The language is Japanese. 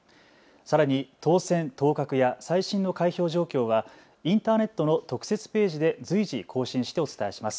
さらに当選・当確や最新の開票状況はインターネットの特設ページで随時、更新してお伝えします。